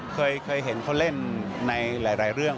เคยเห็นเขาเล่นในหลายเรื่อง